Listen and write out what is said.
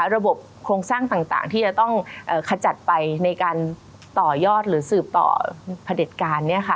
โครงสร้างต่างที่จะต้องขจัดไปในการต่อยอดหรือสืบต่อผลิตการ